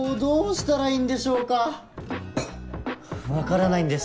分からないんです